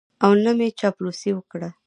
او نه مې چاپلوسي وکړه.